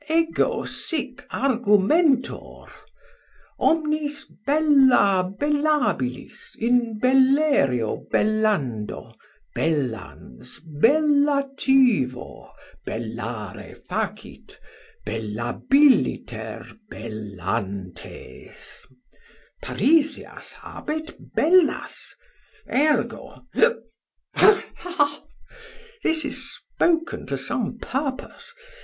Ego sic argumentor. Omnis bella bellabilis in bellerio bellando, bellans, bellativo, bellare facit, bellabiliter bellantes. Parisius habet bellas. Ergo gluc, Ha, ha, ha. This is spoken to some purpose.